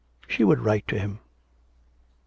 She would write to him. IX.